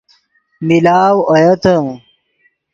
ملاؤ اویتے